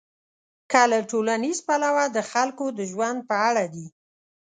که له ټولنیز پلوه د خلکو د ژوند په اړه دي.